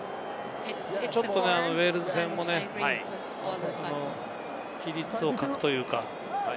ウェールズ戦もね、規律を欠くというか。